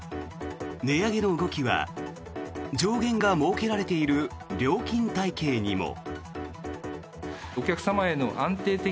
値上げの動きは上限が設けられている料金体系にも。